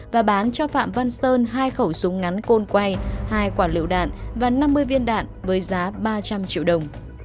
và bán cho phạm văn sơn hai khẩu súng ngắn côn quay hai quả liệu đạn và năm mươi viên đạn với giá ba trăm linh triệu đồng